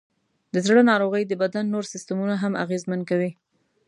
د زړه ناروغۍ د بدن نور سیستمونه هم اغېزمن کوي.